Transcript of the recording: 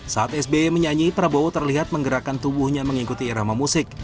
saat sby menyanyi prabowo terlihat menggerakkan tubuhnya mengikuti irama musik